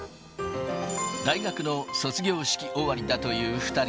大学の卒業式終わりだという２人。